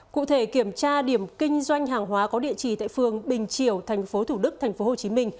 cụ thể kiểm tra điểm kinh doanh hàng hóa có địa chỉ tại phường bình triều tp thủ đức tp hcm